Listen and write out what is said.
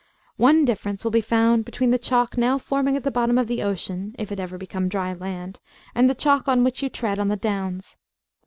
One difference will be found between the chalk now forming at the bottom of the ocean, if it ever become dry land, and the chalk on which you tread on the downs.